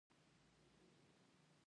پاسپورټونه مو راکړئ.